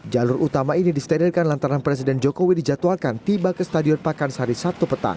jalur utama ini disterilkan lantaran presiden jokowi dijadwalkan tiba ke stadion pakansari sabtu petang